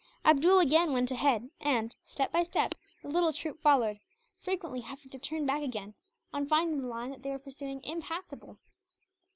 Abdool again went ahead and, step by step, the little troop followed; frequently having to turn back again, on finding the line that they were pursuing impassable.